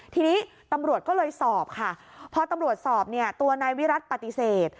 ทีนี้ตำรวจก็เลยสอบค่ะพอตำรวจสอบเนี่ยตัวนายวิรัติปฏิเสธ